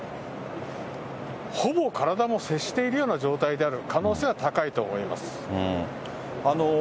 ほぼ体も接しているような状態である可能性は高いと思います。